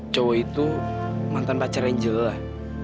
cowok itu mantan pacar angel lah